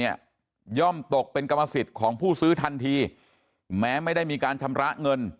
ย่อมตกเป็นกรรมสิทธิ์ของผู้ซื้อทันทีแม้ไม่ได้มีการชำระเงิน